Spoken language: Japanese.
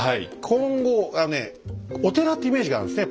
「金剛」がねお寺っていうイメージがあるんですね。